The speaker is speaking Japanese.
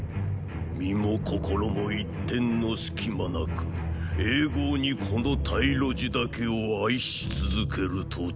身も心も一点の隙間なく永劫にこの太呂慈だけを愛し続けると誓うのだ。